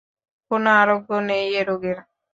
কোনো আরোগ্য নেই এ রোগের।